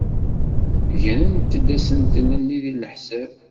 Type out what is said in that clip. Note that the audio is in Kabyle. Grent-d asentel-nni deg leḥsab.